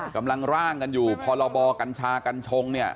กำลังร่างกันอยู่พรบกัญชากัญชงเนี่ย